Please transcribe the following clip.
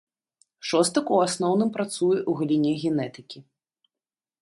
Шостак ў асноўным працуе ў галіне генетыкі.